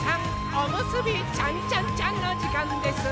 おむすびちゃんちゃんちゃんのじかんです！